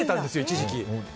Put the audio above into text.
一時期。